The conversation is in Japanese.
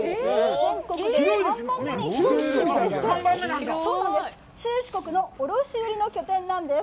全国で３番目に広い市場で、中・四国の卸売の拠点なんです。